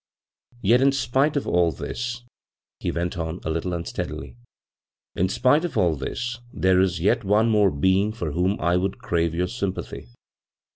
Yetin spite of all this," he went on, a little unsteadily, " in spite of all this, there is yet one more being for whom I would crave your sympathy.